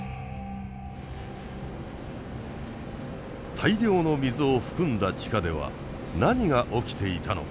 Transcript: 大量の水を含んだ地下では何が起きていたのか。